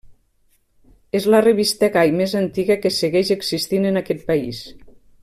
És la revista gai més antiga que segueix existint en aquest país.